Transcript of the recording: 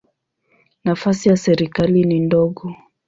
Nafasi ya serikali ni ndogo.